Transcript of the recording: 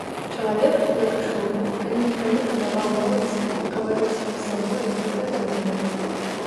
Чалавек, як ішоў, калі-нікалі падаваў голас, гаварыў сам з сабою, гэтак думаў.